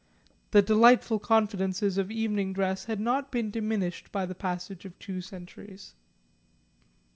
The delightful confidences of evening dress had not been diminished by the passage of two centuries.